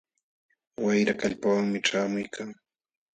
Wayra kallpawanmi ćhaamuykan.